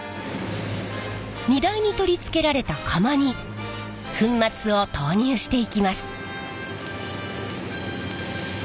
荷台に取り付けられた釜に粉末を投入していきます。